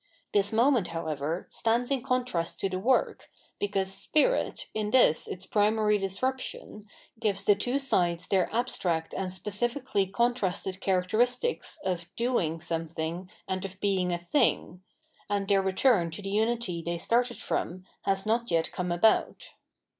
This moment, however, stands in contrast to the work, because spirit, in tMs its primary dis ruption, gives the two sides their abstract and specific ally contrasted characteristics of " doing " something and of being a "thing"; and their return to the unity they started from has not yet come about.